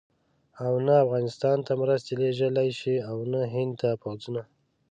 او نه افغانستان ته مرستې لېږلای شي او نه هند ته پوځونه.